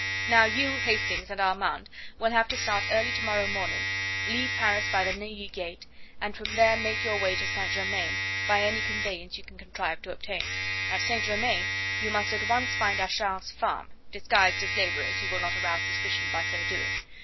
Now you, Hastings and Armand, will have to start early to morrow morning, leave Paris by the Neuilly gate, and from there make your way to St. Germain by any conveyance you can contrive to obtain. At St. Germain you must at once find Achard's farm; disguised as labourers you will not arouse suspicion by so doing.